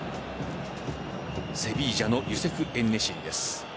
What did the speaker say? セヴィージャのユセフ・エンネシリです。